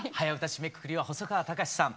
締めくくりは細川たかしさん。